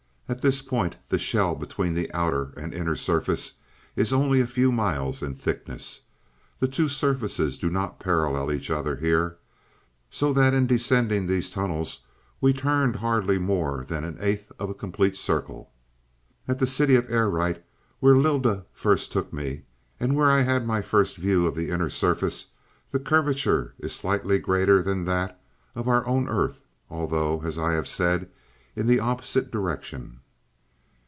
At this point the shell between the outer and inner surface is only a few miles in thickness. The two surfaces do not parallel each other here, so that in descending these tunnels we turned hardly more than an eighth of a complete circle. "At the city of Arite, where Lylda first took me, and where I had my first view of the inner surface, the curvature is slightly greater than that of our own earth, although, as I have said, in the opposite direction."